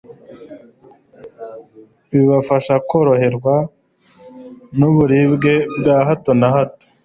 bibafasha koroherwa n'uburibwe bwa hato na hato